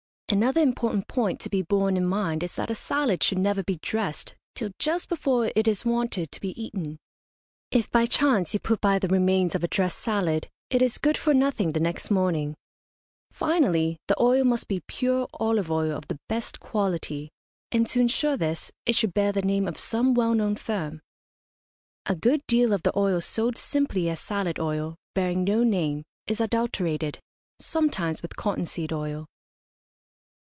Another important point to be borne in mind is that a salad should never be dressed till just before it is wanted to be eaten. If by chance you put by the remains of a dressed salad, it is good for nothing the next morning. Finally, the oil must be pure olive oil of the best quality, and to ensure this it should bear the name of some well known firm. A good deal of the oil sold simply as salad oil, bearing no name, is adulterated, sometimes with cotton seed oil.